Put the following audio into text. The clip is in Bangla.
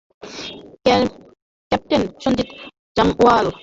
ক্যাপ্টেন সঞ্জিব জামওয়াল।